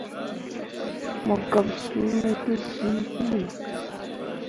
Mo gaɓsuu me te zĩĩ puli.